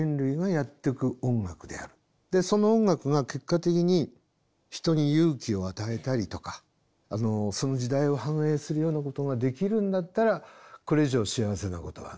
その音楽が結果的に人に勇気を与えたりとかその時代を反映するようなことができるんだったらこれ以上幸せなことはない。